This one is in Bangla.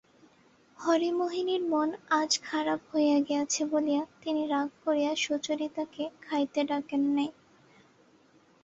হরিমোহিনীর মন আজ খারাপ হইয়া গিয়াছে বলিয়া তিনি রাগ করিয়া সুচরিতাকে খাইতে ডাকেন নাই।